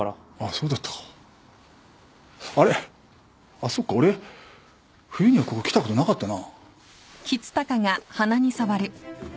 あっそっか俺冬にはここ来たことなかったな。